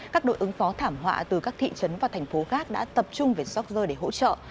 các đội ứng phó thảm họa từ các thị trấn và thành phố khác đã tập trung về yorkshire để hỗ trợ